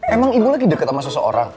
emang ibu lagi deket sama seseorang